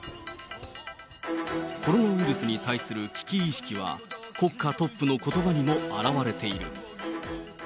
コロナウイルスに対する危機意識は、国家トップのことばにも表れている。